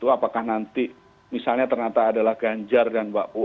apakah nanti misalnya ternyata adalah ganjar dan mbak puan